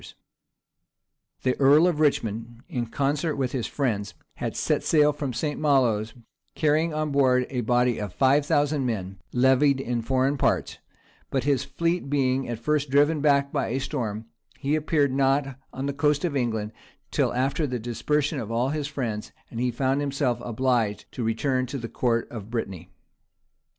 The lines were "The Rat, the Cat, and Lovel that Dog, Rule all England under the Hog;" The earl of Richmond, in concert with his friends, had set sail from St. Malo's, carrying on board a body of five thousand men, levied in foreign parts; but his fleet being at first driven back by a storm, he appeared not on the coast of England till after the dispersion of all his friends; and he found himself obliged to return to the court of Brittany.